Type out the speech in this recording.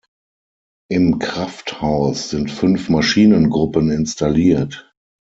Im Krafthaus sind fünf Maschinengruppen installiert.